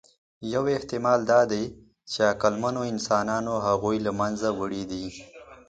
یو احتمال دا دی، چې عقلمنو انسانانو هغوی له منځه وړي دي.